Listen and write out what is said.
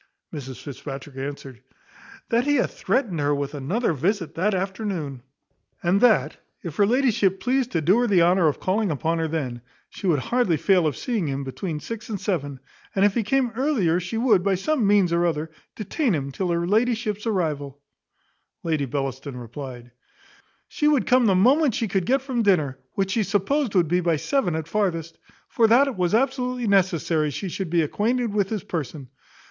Mrs Fitzpatrick answered, "That he had threatened her with another visit that afternoon, and that, if her ladyship pleased to do her the honour of calling upon her then, she would hardly fail of seeing him between six and seven; and if he came earlier she would, by some means or other, detain him till her ladyship's arrival." Lady Bellaston replied, "She would come the moment she could get from dinner, which she supposed would be by seven at farthest; for that it was absolutely necessary she should be acquainted with his person.